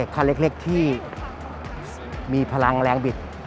คันเล็กที่มีพลังแรงบิด